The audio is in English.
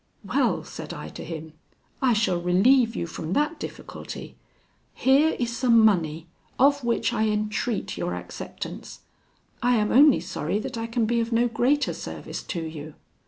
"Well!" said I to him, "I shall relieve you from that difficulty. Here is some money, of which I entreat your acceptance: I am only sorry that I can be of no greater service to you."